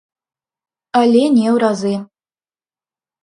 Але не ў разы.